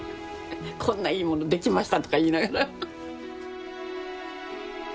こんないいもの出来ましたとか言いながら。